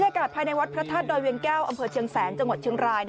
อากาศภายในวัดพระธาตุดอยเวียงแก้วอำเภอเชียงแสนจังหวัดเชียงราย